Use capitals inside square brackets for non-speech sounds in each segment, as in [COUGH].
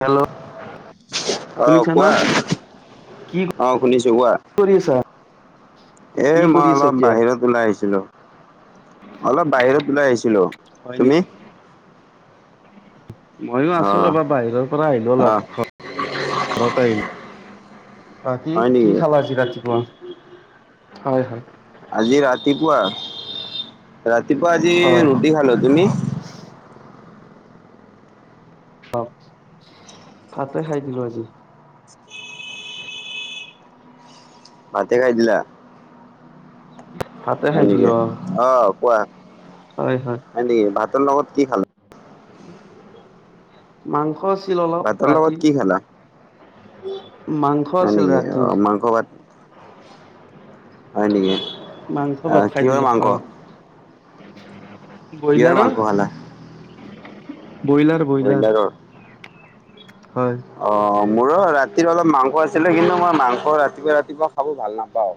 Hello? অ', শুনিছা কোৱা ন' কি অ', কৰি আছা? কি এই মই কৰি আছা অলপ এতিয়া বাহিৰত ওলাই আহিছিলো। অলপ বাহিৰত ওলাই আহিছিলো। তুমি? হয়। [UNINTELLIGIBLE] ময়ো আছো অ', ৰ'বা বাহিৰৰ পৰা আহিলো অলপ অ', ঘৰত আহিলো। অ' কি হয় কি নেকি খালা আজি ৰাতিপুৱা? হয় হয়। আজি ৰাতিপুৱা ৰাতিপুৱা আজি হয় ৰুটি খালো। তুমি? অ' ভাতে খাই দিলো আজি। ভতে খাই দিলা, ভাতে হয় খাই দিলো নেকী? অ অ' কোৱা হয় নেকি, ভাতৰ লগত কি খাল? মাংস আছিল অলপ ভাতৰ ৰাতি লগত কি খালা? মাংস হয় আছিল নেকি ৰাতিৰ অ' মাংস ভাত হয় নেকি? মাংস আহ ভাত খাই কিহৰ দিলো মাংস হয়, কিহৰ ব্ৰইলাৰৰ। মাংস খালা? ব্ৰইলাৰ ব্ৰইলাৰ ব্ৰইলাৰৰ হয়। অ' মোৰো ৰাতিৰ অলপ মাংস আছিলে, কিন্তু মই মাংস ৰাতিপুৱা ৰাতিপুৱা খাব ভাল নাপাওঁ।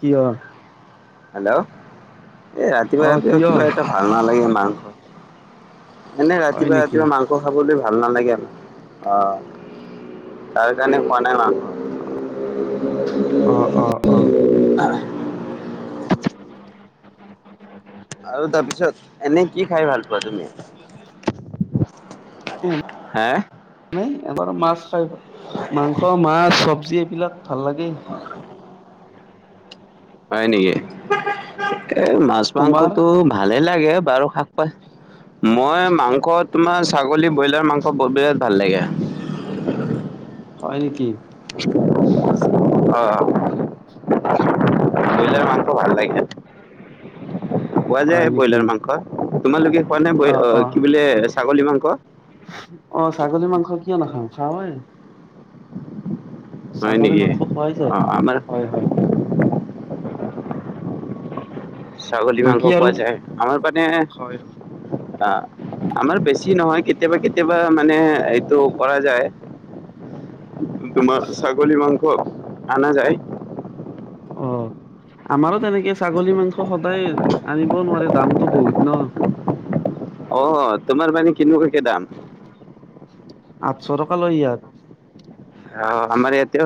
কিয়? হেল্ল'? এ ৰাতিপুৱা অ ৰাতিপুৱা কিয় কিবা এটা ভাল নালাগে মাংস, এনে হয় ৰাতিপুৱা নেকি ৰাতিপুৱা মাংস স খাবলৈ ভাল নালাগে, আহ তাৰ কাৰণে খোৱা নাই মাংস। অ', অ', অ'। আৰু তাৰপিছত এনেই কি খাই ভাল পোৱা তুমি? হে এবাৰ মাছ খাই, মাংস মাছ চবজি এইবিলাক ভাল লাগে। হয় নেকি? এ মাছ তোমাৰ মাংসটো ভালে লাগে বাৰু শাক পাচলি, মই মাংস তোমাৰ ছাগলী, ব্ৰইলাৰ মাংস বিৰাট ভাল লাগে। হয় নেকি? অ' অ', ব্ৰইলাৰ ম বৰ ভাল লাগিলে। [UNINTELLIGIBLE] খোৱা হয় যায় নেকি? ব্ৰইলাৰ মাংস, তোমালোকে খোৱা নে অ', অ', কি বোলে ছাগলী মাংস? অ' ছাগলী মাংস কিয় নাখাওঁ খাওঁয়েই। হয় ছাগলী নেকি? মাংস খোৱাই যায়, অ' আমাৰ হয় হয়। [UNINTELLIGIBLE] ছাগলী মাংস বাকী আৰু খোৱা যায়, আমাৰ পিনে হয়, হয়, অ' আমাৰ বেছি নহয় কেতিয়াবা কেতিয়াবা মানে এইটো কৰা যায়। উ তোমাৰ ছাগলী মাংস আনা যায়। অ' আমাৰো তেনেকে ছাগলী মাংস সদায় আনিব নোৱাৰে দামতটো বহুত ন? অ' তোমাৰ মানে কেনেকুৱা দাম? আঠশ টকা লয় ইয়াত। আহ আমাৰ এয়াতে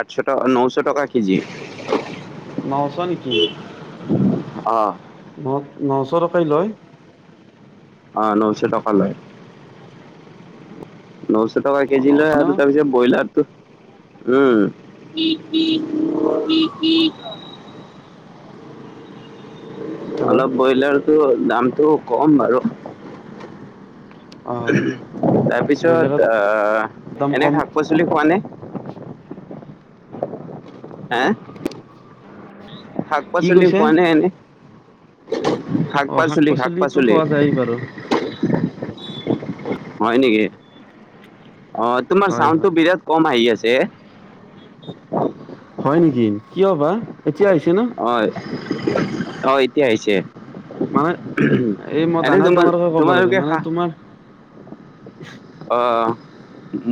আঠশটকা নশ টকা কেজি। নশ নেকি? অ'। ন নশ টকাই লয়? অ' নশ টকা লয়। নশ টকা অ', কেজি নশ লয়, ন? আৰু তাৰপিছত ব্ৰইলাৰ টো, উম, অ [UNINTELLIGIBLE] অলপ ব্ৰইলাৰটো দামটো কম বাৰু। অ', ব্ৰইলাৰৰ তাৰপিছত আহ দাম এনে কম, শাক পাচলি খোৱা নে? হে শাক কি পাচলি কৈছে? খোৱা নে এনেই? শাক পাচলি, শাক পাচলি। পাৰ [UNINTELLIGIBLE] হয় নেকি? অ' তোমাৰ হয় চাউণ্ডটো হয় বিৰাট কম আহি আছে হে'? হয় নেকি কিয় বা এতিয়া আহিছে নে? অ অ' এতিয়া আহিছে। মানে এই মই এনে ডাঙৰ তোমাৰ ডাঙৰকে ক'ব লাগে তোমালোকে মানে খা তোমাৰ অ'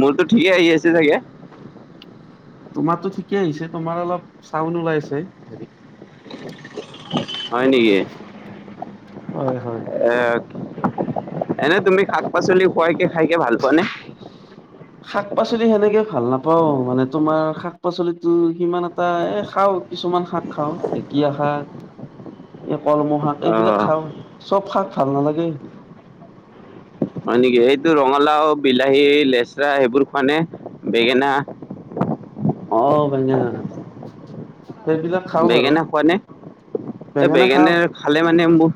মোৰতো ঠিকে আহি আছে চাগে? তোমাৰতো ঠিকে আহিছে তোমাৰ অলপ চাউন ওলাই আছে হে। হয় নেকি? এ হয় হয় এনে তুমি শাক পাচলি খোৱাইকে খাইকে ভাল পোৱা নে? উ [UNINTELLIGIBLE] শাক পাচলি সেনেকে ভাল নাপাওঁ, মানে তোমাৰ শাক পাচলিটো সিমান এটা এ খাওঁ কিছুমান শাক খাওঁ ঢেকীয়া শাক এই কলম শাক অ এইবিলাক খাওঁ, চব শাক ভাল নালাগে। হয় নেকি? এইটো ৰঙালাও বিলাহী লেচৰা সেইবোৰ খোৱা নে বেঙেনা? অ' বেঙেনা, সেইবিলাক খাওঁ বাৰু বেঙেনা খোৱা নে? এই বেঙেনা খাওঁ বেঙেনাৰ খালে মানে মোৰ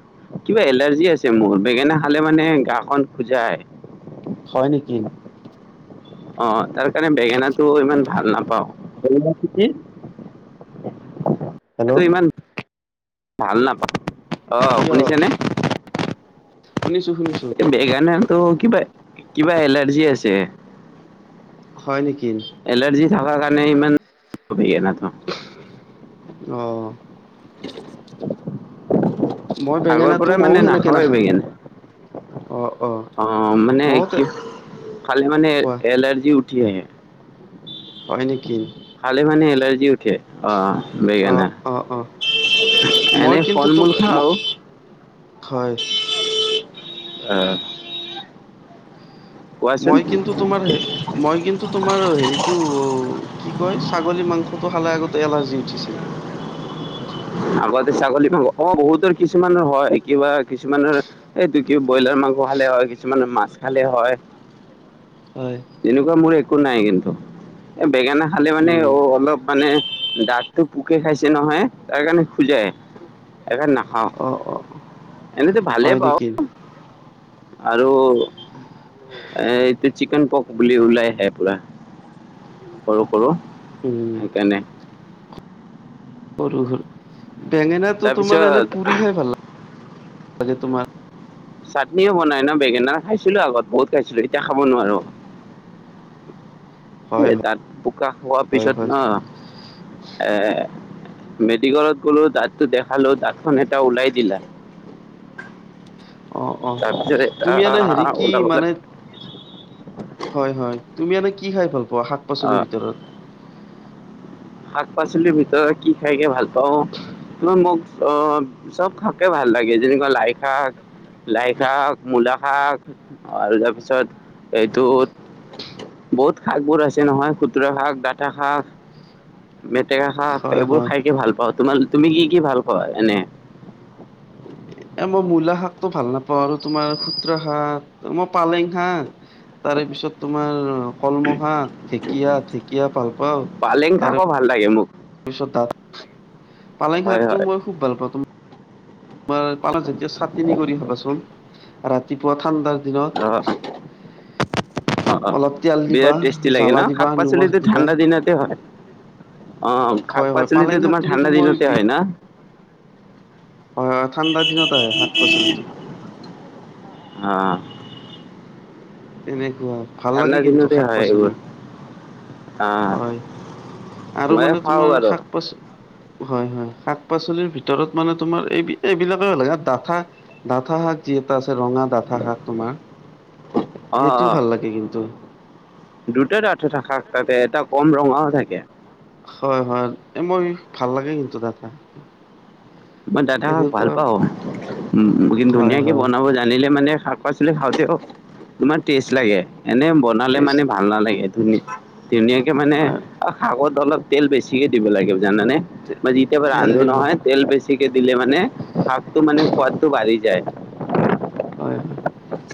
কিবা এলাৰ্জি আছে মোৰ বেঙেনা খালে মানে গা খন খোজাই। হয় নেকি? অ' তাৰ কাৰণে বেঙেনাটো ইমান ভাল বেঙেনা খেতি নাপাওঁ। হেল্ল' ত' ইমান ভাল নাপাওঁ, অ কিয় শুনিছেনে? শুনিছো, শুনিছো। এই বেঙানাটো কিবা কিবা এলাৰ্জি আছে। হয় নেকি? এলাৰ্জি থকাৰ কাৰণে ইমান বেঙেনাতো। অ'। মই আগৰ বেঙেনাটো পৰাই ময়ো মানে সেনেকে নাখাওেই নাখাওঁ। বেগেন অ' মানে ময়ো তে কি খালে মানে কোৱা এলাৰ্জি উঠি আহে। হয় নেকি? খালে মানে এলাৰ্জি উঠে? অ' বেঙেনা, অ', অ', অ', মই এনেই কিন্তু ফল তো মূল ম খাওঁ। হয়। অ'। কোৱাচোন মই কিন্তু তোমাৰ মই কিন্তু তোমাৰ হেৰিটো অ' কি কয় ছাগলী মাংসটো খালে আগতে এলাৰ্জি উঠিছিল। আগতে ছাগলী মাংস, অ' বহুতৰ কিছুমানৰ হয় কিবা কিছুমানৰ এইটো কি ব্ৰইলাৰ মাংস খালে হয়, কিছুমানৰ মাছ খালে হয়। হয়। তেনেকুৱা মোৰ একো নাই কিন্তু। বেঙেনা খালে মানে উম, অ' অলপ মানে দাঁতটো পোকে খাইছে নহয় তাৰ কাৰণে খুজাই এইকাৰনে নাখাওঁ, অ', অ', এনেতো ভালেই হয় পাওঁ। নেকি? আৰু এ এইটো চিকেন পক বুলি ওলাই আহে পুৰা। সৰু সৰু। উম। সেইকাৰণে সৰু সৰু বেঙেনাটো তোমাৰ এনে তাৰপিছত পুৰি খাই ভাল লাগে তোমাৰ। চাটনিও বনাই ন' বেঙেনা, খাইছিলো আগত বহুত খাইছিলো এতিয়া খাব নোৱাৰো। হয়, এ, হয়, তাত বোকা খোৱাৰ হয়, পিছত হয়। না এ মেডিকেলত গ'লো দাঁতটো দেখালো, দাঁতখন এটা ওলাই দিলা। অ', অ' তাৰপিছত এটা তুমি এনে হেৰি কি ওলাবলৈ মানে হয় হয়। তুমি এনে কি খাই ভাল পোৱা শাক অ, পাচলিৰ ভিতৰত? শাক পাচলিৰ ভিতৰত কি খাইগে ভাল পাওঁ মোক অ' চব শাকে ভাল লাগে যেনেকুৱা লাই শাক। লাই শাক, মূলা শাক আৰু তাৰপিছত এইটো বহুত শাকবোৰ আছে নহয় খুতুৰা শাক, দাটা শাক। মেটেকা শাক হয়, এইবোৰ হয়। খাই কে ভাল পাওঁ। তোমাৰ তুমি কি কি ভাল পৱা এনে? এ, মই মূলা শাকটো ভাল নাপাওঁ আৰু তোমাৰ খুতৰা শাক, মই পালেং শাক তাৰে পিছত তোমাৰ কলম' শাক, ঢেকীয়া, ঢেকীয়া ভাল পাওঁ। পালেং শাকো ভাল লাগে মোক। তাৰপিছত পালেং হয় শাকটো হয় মই খুব ভাল পাওঁ। তোমাৰ পালেং যেতি চাটনি কৰি খাঁবাচোন। ৰাতিপুৱা ঠাণ্ডাৰ অ অ অ দিনত। অলপ তেল দিবা, বিৰাট টেষ্টি লাগে জ্বালা ন দিবা, শাক নিমখ পাচলিটো দিবা। ঠাণ্ডা দিনতে হয় অ শাক হয় হয়, পাচলিটো পালেং তোমাৰ শাকটো ঠাণ্ডা কিন্তু মই দিনতে বি হয় ন হয় হয়, ঠাণ্ডা দিনত আহে শাক পাচলিটো। অ'। তেনেকুৱা, ভাল ঠাণ্ডা লাগে কিন্তু দিনতে শাক হয় এইবোৰ পাচলি। অ হয় আৰু ময়ে মানে খাওঁ তোমাৰ বাৰু শাক পাচ হয় হয়, শাক পাচলিৰ ভিতৰত মানে তোমাৰ এই এইবিলাকে ভাল লাগে আৰ ডাঠা ডাঠা শাক যি এটা আছে ৰঙা ডাঠা শাক তোমাৰ, অ অ সেইটোও ভাল লাগে কিন্তু। দুটা ডাঠা শাক থাকে, এটা কম ৰঙাও থাকে। হয় হয়। এ, মই ভাল লাগে কিন্তু ডাঠা। মই দাঠা শাক ভাল তেনেকুৱা পাওঁ কিন্তু হয় ধুনীয়াকে হয় বনাব যা ৰান্ধিলে মানে শাক পাচলি খালেও তোমাৰ টেষ্ট লাগে, এনে ব নালে মানে টেষ্ট ভাল নালাগে, ধুনীয়া ধুনীয়াকে মানে হয় শাকত অলপ তেল বেছিহে দিব লাগিব জানানে, মই যেতিয়াবা তেল ৰান্ধো দিব নহয় তেল বেছি ছিকে দিলে মানে শাকটো মানে সোৱাদটো বাঢ়ি যায়। হয় হয়,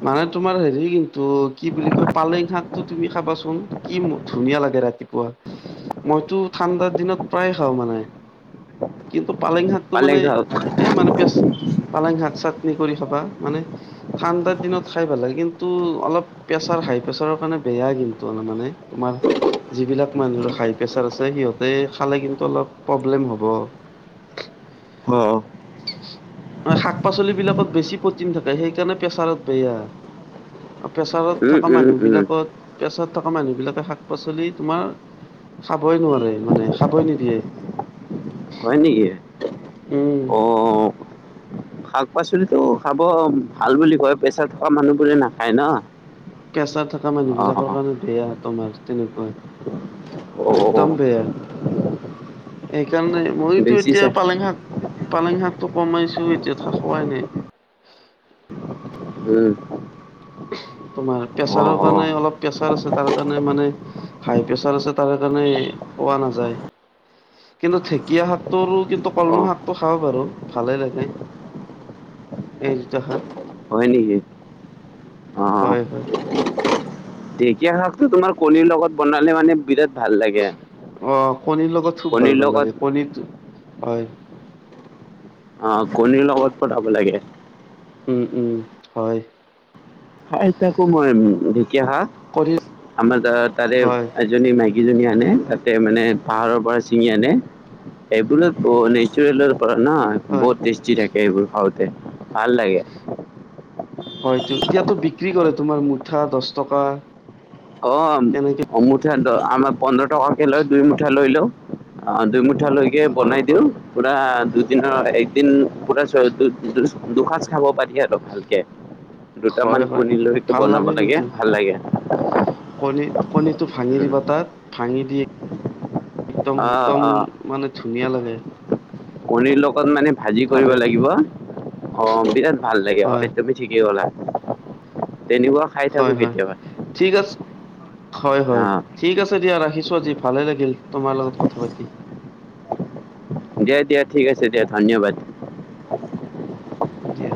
মানে তোমাৰ হেৰি কিন্তু কি বুলি কয় পালেং শাকটো তুমি খাবাচোন। কি ধুনীয়া লাগে ৰাতিপুৱা। মইতো ঠাণ্ডাৰ দিনত প্ৰায় খাওঁ মানে। কিন্তু পালেং শাকটো পালেং মানে শাক এ, মানে পেচ পালেং শাক চাটনি কৰি খাবা মানে ঠাণ্ডাৰ দিনত খাই ভাল লাগে কিন্তু অলপ প্ৰেচাৰ হাই, প্ৰেছাৰৰ কাৰণে বেয়া কিন্তু মানে তোমাৰ যিবিলাক মানুহৰ হাই প্ৰেছাৰ আছে সিহঁতে খালে কিন্তু অলপ প্ৰব্লেম হ'ব। হ মা শাক পাচলিবিলাকত বেছি প্ৰটিন থাকে সেইকাৰণে প্ৰেচাৰত বেয়া। প্ৰেছাৰত উম থকা উম উম মানুহবিলাকত পেছাৰ থকা মানুহবিলাকে শাক পাচলি তোমাৰ খাবই নোৱাৰে মানে খাবই নিদিয়ে। হয় নেকি? উম। অ শাক পাচলিতো খাব ভাল বুলি কয়, প্ৰেছাৰ থকা মানুহবোৰে নাখায় না। প্ৰেচাৰ থকা মানুহবিলাকৰ কাৰণে বেয়া তোমাৰ তেনেকুৱা, অ', একদম বেয়া। সেইকাৰণে ময়োতো এতিয়া বেচিছা পালেং শাক পালেং শাকটো কমাইছো এতিয়া থা খোৱাই নাই। উম। তোমাৰ অ', প্ৰেছাৰৰ অ', কাৰণে অলপ প্ৰেচাৰ আছে তাৰ কাৰণে মানে হাই প্ৰেছাৰ আছে তাৰ কাৰণে খোৱা নাযায়। কিন্তু ঢেকীয়া শাকটো কিন্তু কলমৌ অ'। শাকটো খাব পাৰো ভালেই লাগে। এই যিটো শাক হয় নেকি? হয়, হয়। ঢেঁকীয়া শাকটো তোমাৰ কণীৰ লগত বনালে মানে বিৰাট ভাল লাগে। অ' কণীৰ লগত খুব ভাল কণীৰ ভাল লগত লাগে কণী হয়। অ' কণীৰ লগত বনাব লাগে। উম, উম, হয়। খাই থাকো মই ঢেকীয়া শাক, কণী আমাৰ ত তাৰে হয় এজনী মাইকীজনী আনে তাতে মানে পাহাৰৰ পৰা ছিঙি আনে সেইবোৰ নেচৰলৰ পৰা ন হয় বহুত টেষ্টি থাকে এইবোৰ খাওঁতে ভাল লাগে। হয়টো। এতিয়াতো বিক্ৰী কৰে তোমাৰ মুঠা দছ টকা। অ' তেনেকে অ' মুঠা আমাৰ পোন্ধৰ টকাকে লয় দুই মুঠা লৈ লওঁ, অ' দুই মুঠা লৈ কে হয় বনাই দিওঁ। হয় পুৰা দুদিনৰ একদিন পুৰা দু দুসাজ খাব পাৰি আৰু ভালকে। হ দুটামান কণী লৈ বনাব লাগে ভাল লাগে। কণী কণীটো ভাঙি উম। দিবা তাত ভাঙি দি একদম, অ একদম অ মানে ধুনীয়া লাগে। কণীৰ লগত মানে ভাজি ভালে কৰিব লাগে। লাগিব অ, বিৰাট ভাল লাগে, হয়। তুমি ঠিকেই ক'লা। তেনেকুৱা খাই থাকো হয় হয় কেতিয়াবা, ঠিক আছে হয় হয় অ'। ঠিক আছে দিয়া ৰাখিছোঁ আজি ভালে লাগিল তোমাৰ লগত কথা পাতি। দিয়া, দিয়া ঠিক আছে দিয়া ধন্যবাদ। দিয়।